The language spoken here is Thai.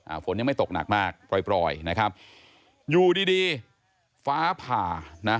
ฝนยังไม่ตกหนักมากปล่อยปล่อยนะครับอยู่ดีดีฟ้าผ่านะ